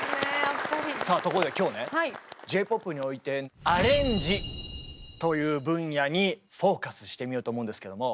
さあところで今日ねＪ−ＰＯＰにおいてアレンジという分野にフォーカスしてみようと思うんですけども。